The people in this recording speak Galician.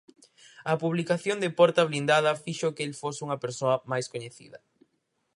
A publicación de Porta blindada fixo que el fose unha persoa máis coñecida.